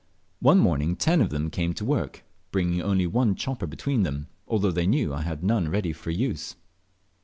One morning ten of them came to work, bringing only one chopper between them, although they knew I had none ready for use.